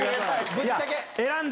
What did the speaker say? ぶっちゃけ。